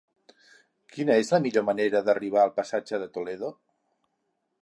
Quina és la millor manera d'arribar al passatge de Toledo?